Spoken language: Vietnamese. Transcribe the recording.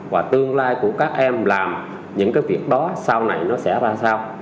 và tương lai của các em làm những cái việc đó sau này nó sẽ ra sao